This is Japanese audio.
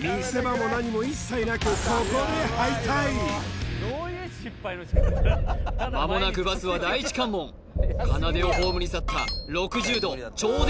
見せ場も何も一切なくここで敗退まもなくバスは第一関門かなでを葬り去った６０度超絶